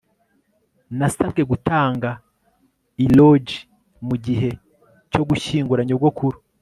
nasabwe gutanga eulogy mu gihe cyo gushyingura nyogokuru